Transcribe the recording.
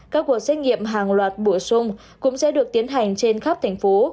các cuộc xét nghiệm hàng loạt bổ sung cũng sẽ được tiến hành trên khắp thành phố